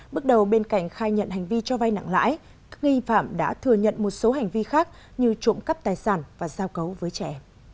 bước đầu bên cạnh khai nhận hành vi cho vay nặng lãi các nghi phạm đã thừa nhận một số hành vi khác như trộm cắp tài sản và giao cấu với trẻ